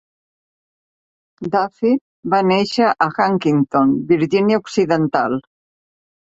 Duffey va néixer a Huntington, Virgínia Occidental.